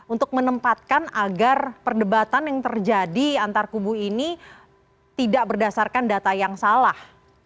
untuk menempatkan agar perdebatan yang terjadi antar kubu ini tidak berdasarkan data yang salah